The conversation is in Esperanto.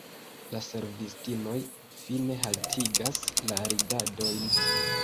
La servistinoj fine haltigas la ridadojn.